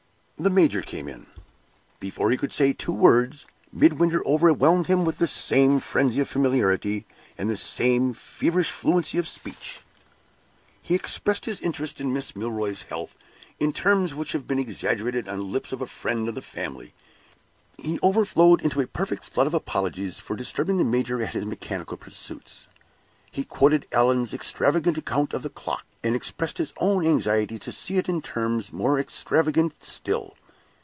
The major came in. Before he could say two words, Midwinter overwhelmed him with the same frenzy of familiarity, and the same feverish fluency of speech. He expressed his interest in Mrs. Milroy's health in terms which would have been exaggerated on the lips of a friend of the family. He overflowed into a perfect flood of apologies for disturbing the major at his mechanical pursuits. He quoted Allan's extravagant account of the clock, and expressed his own anxiety to see it in terms more extravagant still.